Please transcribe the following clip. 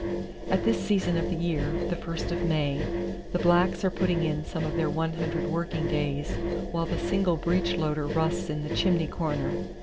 At this season of the year, the first of May, the blacks are putting in some of their one hundred working days while the single breech loader rusts in the chimney corner.